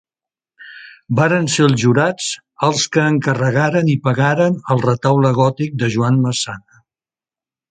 Varen ser els jurats els que encarregaren i pagaren el retaule gòtic de Joan Massana.